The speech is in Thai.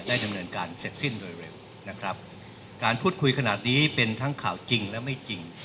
ดำเนินการเสร็จสิ้นโดยเร็วนะครับการพูดคุยขนาดนี้เป็นทั้งข่าวจริงและไม่จริง